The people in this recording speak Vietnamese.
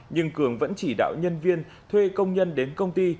nhưng cường vẫn chỉ đạo nhân viên thuê công nhân đến công ty